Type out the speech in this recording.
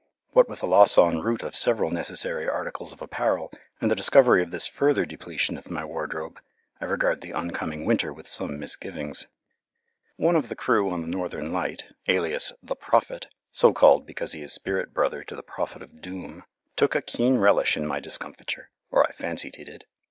What with the loss en route of several necessary articles of apparel, and the discovery of this further depletion of my wardrobe, I regard the oncoming winter with some misgivings. One of the crew on the Northern Light, alias the Prophet, so called because he is spirit brother to the Prophet of Doom, took a keen relish in my discomfiture, or I fancied he did.